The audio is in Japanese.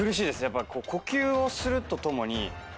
やっぱ呼吸をするとともに。